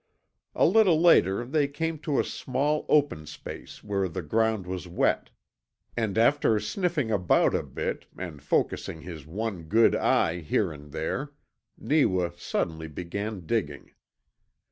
A little later they came to a small open space where the ground was wet, and after sniffing about a bit, and focussing his one good eye here and there, Neewa suddenly began digging.